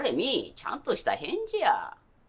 ちゃんとした返事や。